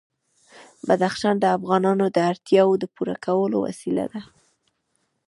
بدخشان د افغانانو د اړتیاوو د پوره کولو وسیله ده.